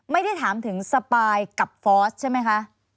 ไม่ได้ถามถึงสปายกับฟอสใช่ไหมคะ